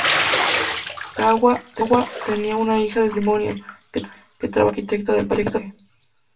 Kurokawa tenía una hija de su primer matrimonio, que trabaja como arquitecta del paisaje.